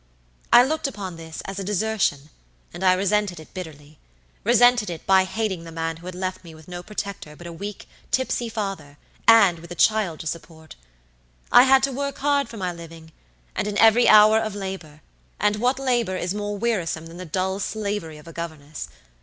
"I looked upon this as a desertion, and I resented it bitterlyresented it by hating the man who had left me with no protector but a weak, tipsy father, and with a child to support. I had to work hard for my living, and in every hour of laborand what labor is more wearisome than the dull slavery of a governess?